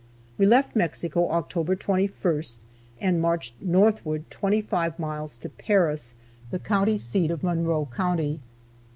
We left Mexico October 21st and marched northward 25 miles to Paris, the county seat of Monroe county.